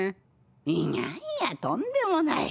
いやいやとんでもない。